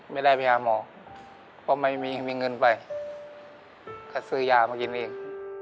ไม่ได้ไปหาหมอเพราะไม่มีเงินไปก็ซื้อยามากินเอง